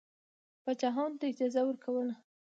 پاچاهانو ته اجازه ورکوله.